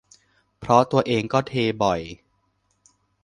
เพราะตัวเองก็เทบ่อย